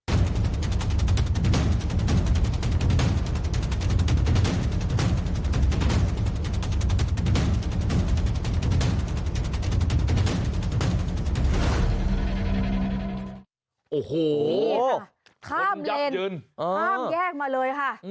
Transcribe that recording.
โอ้โหนี่ค่ะข้ามเลนข้ามแยกมาเลยค่ะ